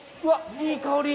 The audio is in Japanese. いい香り！